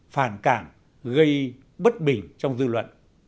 phản cảm gây bất bình trong dư luận